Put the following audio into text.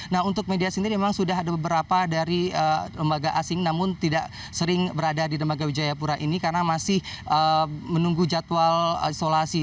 nah untuk media sendiri memang sudah ada beberapa dari lembaga asing namun tidak sering berada di dermaga wijayapura ini karena masih menunggu jadwal isolasi